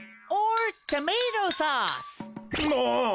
もう！